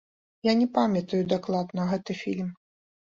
Я не памятаю дакладна гэты фільм.